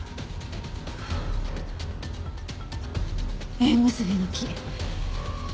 縁結びの木。